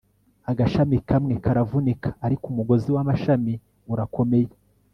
agashami kamwe karavunika, ariko umugozi w'amashami urakomeye